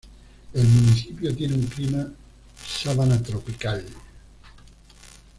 El municipio tiene un clima sabana tropical.